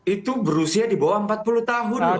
itu berusia di bawah empat puluh tahun